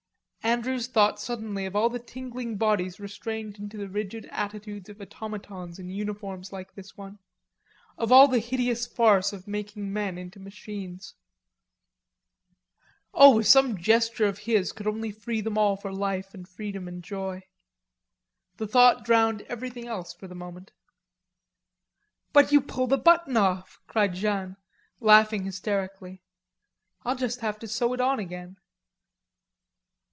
Andrews thought suddenly of all the tingling bodies constrained into the rigid attitudes of automatons in uniforms like this one; of all the hideous farce of making men into machines. Oh, if some gesture of his could only free them all for life and freedom and joy. The thought drowned everything else for the moment. "But you pulled a button off," cried Jeanne laughing hysterically. "I'll just have to sew it on again."